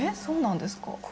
そうなんですか？